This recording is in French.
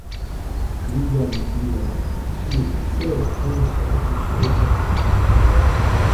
William Miller fut le plus célèbre annonceur de ce retour du Christ.